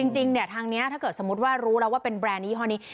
จริงเนี่ยทางนี้ถ้าเกิดสมมุติว่ารู้แล้วว่าเป็นแบรนดยี่ห้อนี้